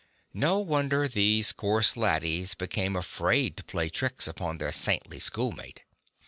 No wonder these coarse laddies became afraid to play tricks upon their saintly school mate.